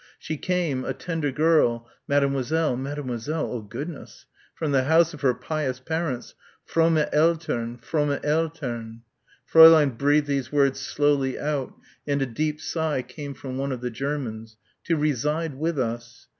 "She came, a tender girl (Mademoiselle Mademoiselle, oh, goodness!) from the house of her pious parents, fromme Eltern, fromme Eltern." Fräulein breathed these words slowly out and a deep sigh came from one of the Germans, "to reside with us.